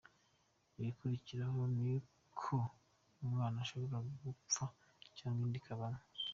Igikurikiraho ni uko umwana ashobora gupfa cyangwa inda ikavamo.